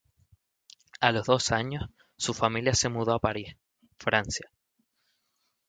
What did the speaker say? A los dos años, su familia se mudó a París, Francia.